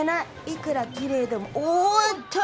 いくらきれいでもおっと！